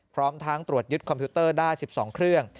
พร้อมทั้งตรวจยึดคอมพิวเตอร์ได้๑๒เครื่อง